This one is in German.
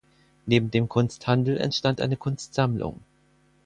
Neben dem Kunsthandel entstand eine Kunstsammlung.